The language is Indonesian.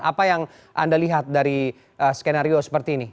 apa yang anda lihat dari skenario seperti ini